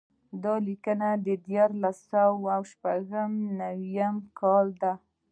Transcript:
دا لیکنه د دیارلس سوه شپږ نوي کال ده.